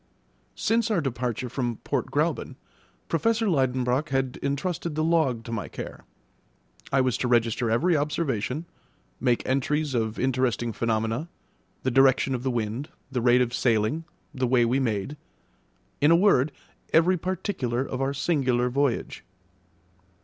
Since our departure from Port Gräuben, Professor Liedenbrock had entrusted the log to my care; I was to register every observation, make entries of interesting phenomena, the direction of the wind, the rate of sailing, the way we made in a word, every particular of our singular voyage.